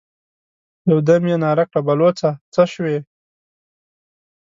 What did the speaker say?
يودم يې ناره کړه: بلوڅه! څه شوې؟